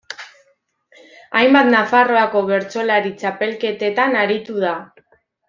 Hainbat Nafarroako Bertsolari Txapelketetan aritu da.